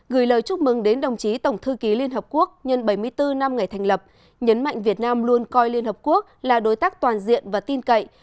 gửi lời chúc mừng đến đồng chí tổng thư ký liên hợp quốc nhân bảy mươi bốn năm ngày thành lập nhấn mạnh việt nam luôn coi liên hợp quốc là đối tác toàn diện và tin cậy